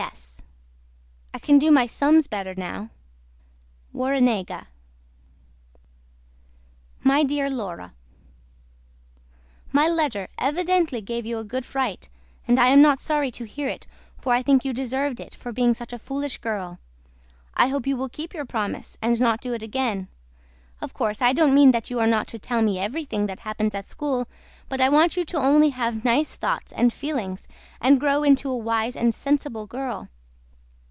S. I CAN DO MY SUMS BETTER NOW. WARRENEGA MY DEAR LAURA MY LETTER EVIDENTLY GAVE YOU A GOOD FRIGHT AND I AM NOT SORRY TO HEAR IT FOR I THINK YOU DESERVED IT FOR BEING SUCH A FOOLISH GIRL. I HOPE YOU WILL KEEP YOUR PROMISE AND NOT DO IT AGAIN. OF COURSE I DON'T MEAN THAT YOU ARE NOT TO TELL ME EVERYTHING THAT HAPPENS AT SCHOOL BUT I WANT YOU TO ONLY HAVE NICE THOUGHTS AND FEELINGS AND GROW INTO A WISE AND SENSIBLE GIRL.